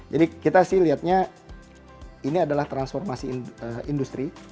jadi kita lihatnya ini adalah transformasi industri